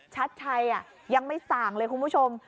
ชัดชัยยังไม่สั่งเลยคุณผู้ชม